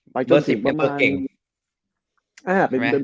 เบอร์๑๐เป็นเบอร์เก่ง